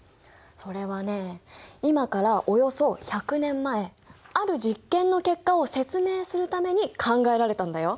それはね今からおよそ１００年前ある実験の結果を説明するために考えられたんだよ。